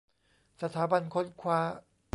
สถาบันค้นคว้า